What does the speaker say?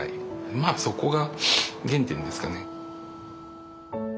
まあそこが原点ですかね。